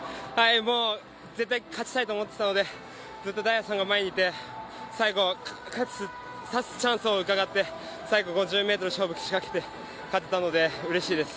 もう絶対勝ちたいと思っていましたのでずっと大也さんが前にいて最後、刺すチャンスをうかがって、最後、５０ｍ、勝負をしかけて勝てたので、うれしいです。